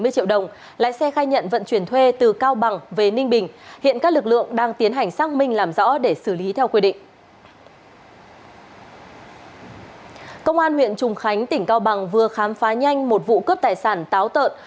công an huyện trùng khánh tỉnh cao bằng vừa khám phá nhanh một vụ cướp tài sản táo tợn